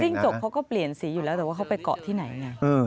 จกเขาก็เปลี่ยนสีอยู่แล้วแต่ว่าเขาไปเกาะที่ไหนไง